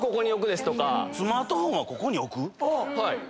はい。